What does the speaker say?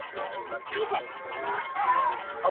چي هوښیار طوطي ګونګی سو په سر پک سو!